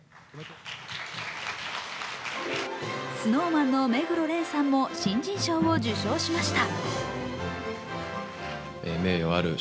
ＳｎｏｗＭａｎの目黒蓮さんも新人賞を受賞しました。